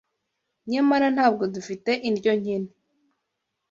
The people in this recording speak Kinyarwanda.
Nyamara ntabwo dufite indyo nkene